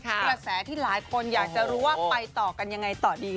กระแสที่หลายคนอยากจะรู้ว่าไปต่อกันยังไงต่อดี